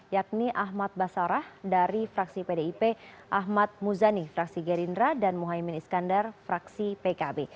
yakni ahmad basarah dari fraksi pdip ahmad muzani fraksi gerindra dan muhaymin iskandar fraksi pkb